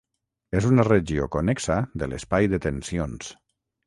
És una regió connexa de l'espai de tensions.